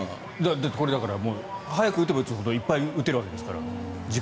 だって早く打てば打つほどいっぱい打てるわけですから。